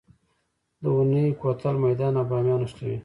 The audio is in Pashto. د اونی کوتل میدان او بامیان نښلوي